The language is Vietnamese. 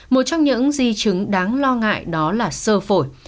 một trong những di chứng đáng lo ngại đó là sơ phổi